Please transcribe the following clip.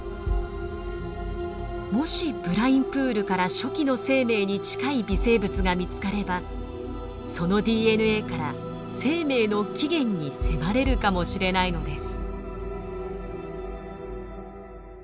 もしブラインプールから初期の生命に近い微生物が見つかればそのＤＮＡから生命の起源に迫れるかもしれないのです。